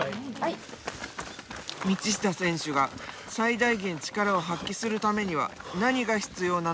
道下選手が最大限力を発揮するためには何が必要なのか。